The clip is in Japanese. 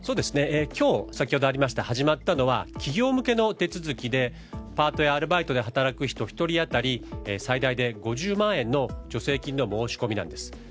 先ほどありましたが今日、始まったのは企業向けの手続きでパートやアルバイトで働く人１人当たり最大で５０万円の助成金の申し込みなんです。